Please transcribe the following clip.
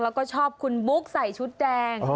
แล้วก็ชอบคุณบุ๊กใส่ชุดแดง